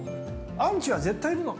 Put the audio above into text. アンチは絶対にいるの。